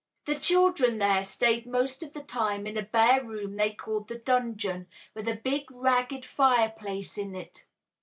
The children there stayed most of the time in a bare room they called "the dungeon," with a big ragged fireplace in it.